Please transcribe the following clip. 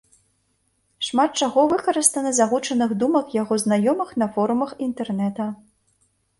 Шмат чаго выкарыстана з агучаных думак яго знаёмых на форумах інтэрнета.